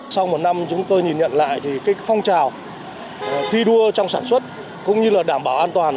sau một năm chúng tôi nhìn nhận lại thì phong trào thi đua trong sản xuất cũng như là đảm bảo an toàn